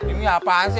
ini apaan sih